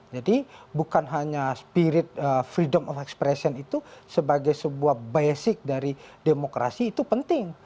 jadi bukan hanya spirit freedom of expression itu sebagai sebuah basic dari demokrasi itu penting